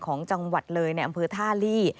ของจังหวัดเลยในอำเภอท่าลี่